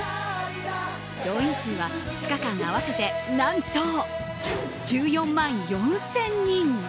動員数は２日間合わせて何と１４万４０００人。